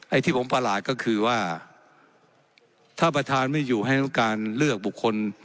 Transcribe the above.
ที่ผมประหลาดก็คือว่าถ้าประธานไม่อยู่ให้ต้องการเลือกบุคคล